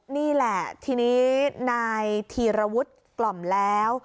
นี่แหละทีนี้นายธีรวุฒิกล่อมแล้ว